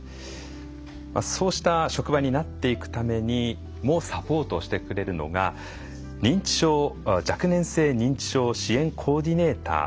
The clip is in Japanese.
そうした職場になっていくためにもサポートしてくれるのが若年性認知症支援コーディネーターです。